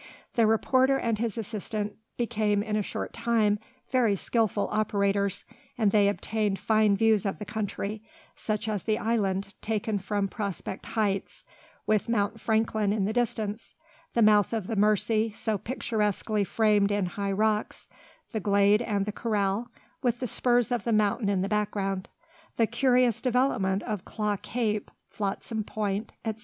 The reporter and his assistant became in a short time very skilful operators, and they obtained fine views of the country, such as the island, taken from Prospect Heights with Mount Franklin in the distance, the mouth of the Mercy, so picturesquely framed in high rocks, the glade and the corral, with the spurs of the mountain in the background, the curious development of Claw Cape, Flotsam Point, etc.